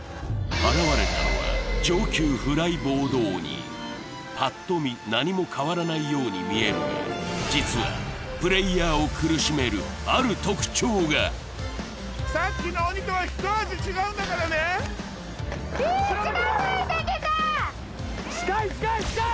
現れたのは上級フライボード鬼ぱっと見何も変わらないように見えるが実はプレイヤーを苦しめるある特徴が近い近い近い！